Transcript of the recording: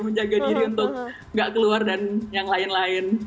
menjaga diri untuk gak keluar dan yang lain lain